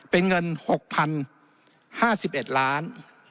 เป็นเงิน๖๐๕๑ล้าน